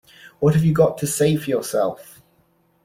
What have you got to say for yourself?